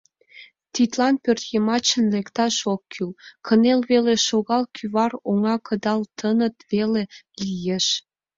Тидлан пӧртйымачын лекташат ок кӱл, кынел веле шогал — кӱвар оҥа кыдал таҥыт веле лиеш.